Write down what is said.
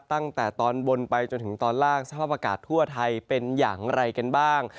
ตั้งแต่ส่วนไว้จนถึงตอนล่างสภาผกาศเป็นอย่างไรกันบ้าง